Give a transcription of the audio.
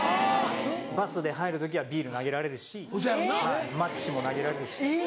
バスで入る時はビール投げられるしマッチも投げられるし。